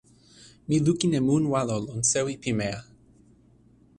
mi lukin e mun walo lon sewi pimeja.